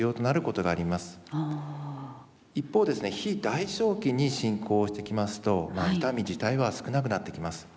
一方ですね非代償期に進行してきますと痛み自体は少なくなってきます。